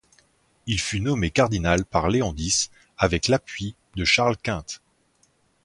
Il fut nommé cardinal par Léon X, avec l'appui de Charles Quint.